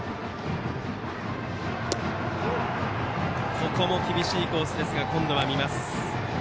ここも厳しいコースですが今度は見ます。